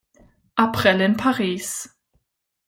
April in Paris.